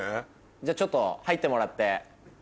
ちょっと入ってもらって。